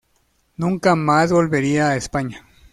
Nunca más volvería a España.